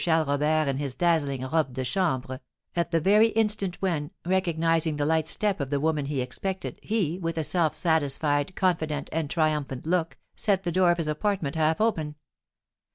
Charles Robert in his dazzling robe de chambre, at the very instant when, recognising the light step of the woman he expected, he, with a self satisfied, confident, and triumphant look, set the door of his apartment half open.